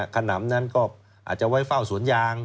ขนำนั้นก็อาจจะไว้เฝ้าสวนยาง